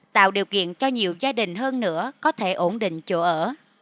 tạo điều kiện cho nhiều gia đình hơn nữa có thể ổn định chỗ ở